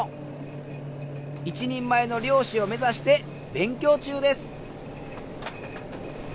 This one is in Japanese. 一人前の漁師を目指して勉強中です。